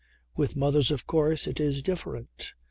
. With mothers of course it is different.